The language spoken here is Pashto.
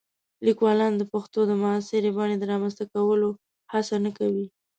لیکوالان د پښتو د معاصرې بڼې د رامنځته کولو هڅه نه کوي.